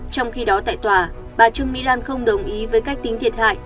trong khi đó tại tòa bà trương mỹ lan không đồng ý với cách tính thiệt hại